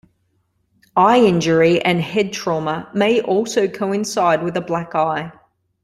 Eye injury and head trauma may also coincide with a black eye.